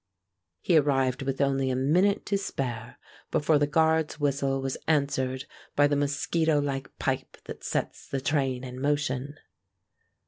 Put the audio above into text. He arrived with only a minute to spare before the guard's whistle was answered by the mosquitolike pipe that sets the train in motion.